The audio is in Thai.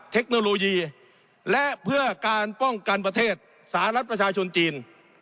เทคโนโลยีและเพื่อการป้องกันประเทศสหรัฐประชาชนจีน